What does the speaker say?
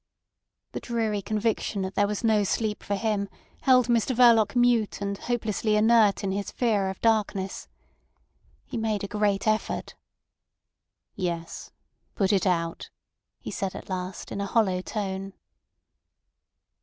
The dreary conviction that there was no sleep for him held Mr Verloc mute and hopelessly inert in his fear of darkness. He made a great effort. "Yes. Put it out," he said at last in a hollow tone.